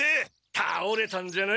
たおれたんじゃない。